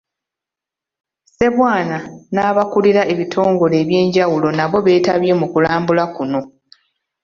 Ssebwana n'abakulira ebitongole ebyenjawulo nabo beetabye mu kulambula kuno.